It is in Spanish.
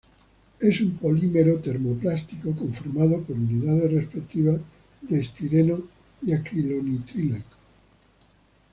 Es un polímero termoplástico conformado por unidades repetitivas de estireno y acrilonitrilo.